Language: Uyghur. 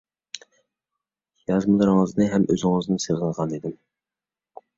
يازمىلىرىڭىزنى ھەم ئۆزىڭىزنى سېغىنغان ئىدىم.